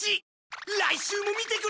来週も見てくれ！